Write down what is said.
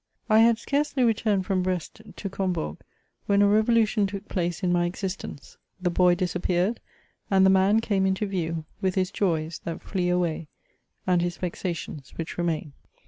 I had scarcely returned from Brest to Combourg, when a revolution took place in mj existence ; the boy disappeared, and the man came into view, with his joys that flee away, and his vexations which remtdn.